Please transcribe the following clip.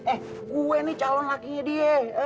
eh gue ini calon lakinya dia